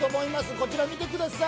こちら、見てください。